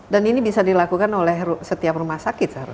dan ini bisa dilakukan oleh setiap rumah sakit